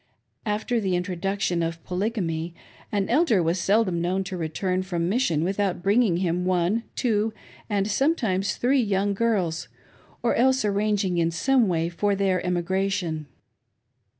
After the intro duction of Polygamy, an Elder was seldom known to return from mission without bringing with him one, two, and some times three young girls, or else arranging in some way for their emigration.